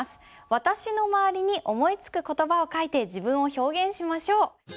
私の周りに思いつく言葉を書いて自分を表現しましょう。